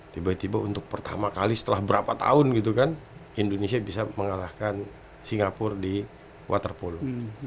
tiba tiba untuk pertama kali setelah berapa tahun gitu kan indonesia bisa mengalahkan singapura di water polo